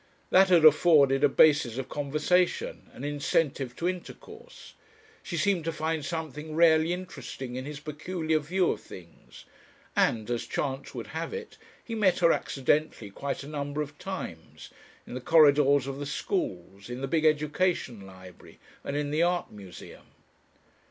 That had afforded a basis of conversation an incentive to intercourse. She seemed to find something rarely interesting in his peculiar view of things, and, as chance would have it, he met her accidentally quite a number of times, in the corridors of the schools, in the big Education Library, and in the Art Museum.